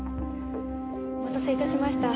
お待たせ致しました。